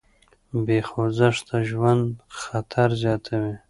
بې خوځښته ژوند خطر زیاتوي.